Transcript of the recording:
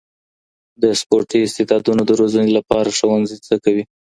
د سپورټي استعدادونو د روزنې لپاره ښوونځي څه کوي؟